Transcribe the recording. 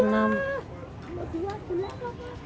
umur dua belas kakak